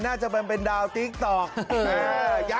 จะเป็นดาวติ๊กต๊อก